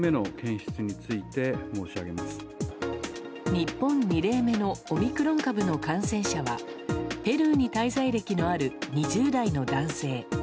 日本２例目のオミクロン株の感染者はペルーに滞在歴のある２０代の男性。